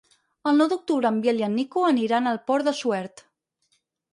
El nou d'octubre en Biel i en Nico aniran al Pont de Suert.